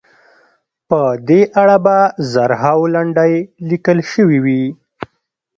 په دې اړه به زرهاوو لنډۍ لیکل شوې وي.